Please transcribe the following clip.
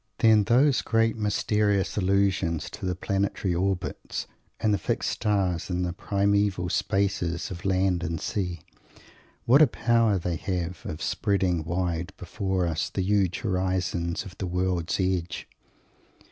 Then those great mysterious allusions to the planetary orbits and the fixed stars and the primeval spaces of land and sea; what a power they have of spreading wide before us the huge horizons of the world's edge!